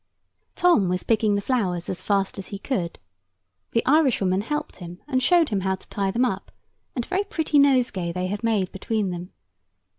Tom was picking the flowers as fast as he could. The Irishwoman helped him, and showed him how to tie them up; and a very pretty nosegay they had made between them.